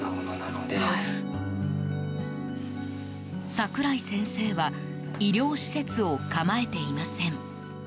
櫻井先生は医療施設を構えていません。